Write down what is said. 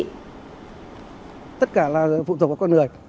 tất cả là phụ thuộc vào con người